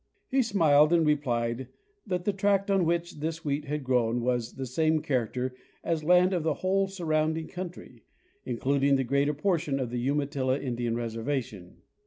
He smiled and replied that the tract on which this wheat had grown was the same character as land of the whole surrounding country, in cluding the greater portion of the Umatilla Indian reservation.